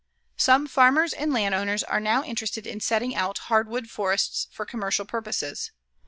Some farmers and land owners are now interested in setting out hardwood forests for commercial purposes.